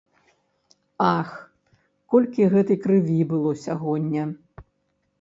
Ах, колькі гэтай крыві было сягоння!